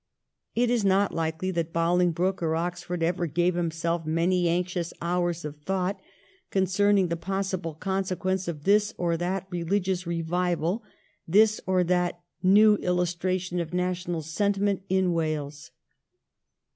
It is not likely that Bolingbroke or Oxford ever gave himself many anxious hours of thought concerning the pos sible consequences of this or that religious revival, this or that new illustration of national sentiment in Wales.